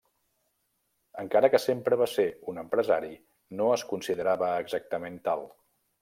Encara que sempre va ser un empresari, no es considerava exactament tal.